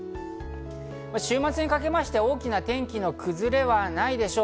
週末にかけまして大きな天気の崩れはないでしょう。